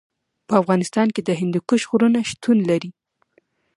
په افغانستان کې د هندوکش غرونه شتون لري.